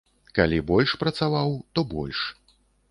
Калі больш працаваў, то больш.